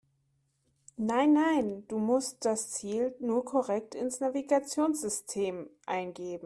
Nein, nein, du musst das Ziel nur korrekt ins Navigationssystem eingeben.